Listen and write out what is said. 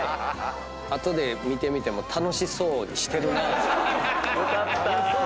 後で見てみても楽しそうにしてるな。